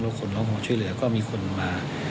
แล้วคนร้องขอความช่วยเหลือก็มีคนมา